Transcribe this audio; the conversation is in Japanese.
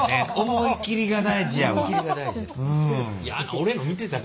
思い切りが大事ですね。